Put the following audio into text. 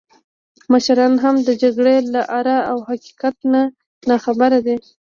مشران هم د جګړې له آره او حقیقت نه ناخبره دي.